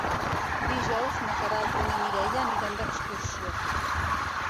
Dijous na Queralt i na Mireia aniran d'excursió.